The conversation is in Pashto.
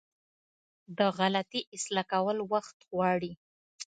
د غلطي اصلاح کول وخت غواړي.